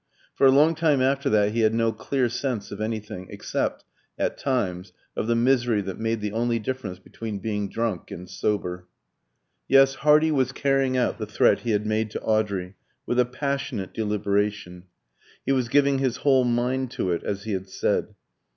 For a long time after that he had no clear sense of anything, except, at times, of the misery that made the only difference between being drunk and sober. Yes; Hardy was carrying out the threat he had made to Audrey, with a passionate deliberation. He was "giving his whole mind to it," as he had said.